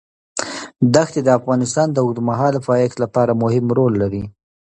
دښتې د افغانستان د اوږدمهاله پایښت لپاره مهم رول لري.